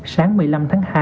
sáng một mươi năm tháng hai